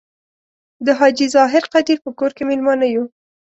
د حاجي ظاهر قدیر په کور کې میلمانه یو.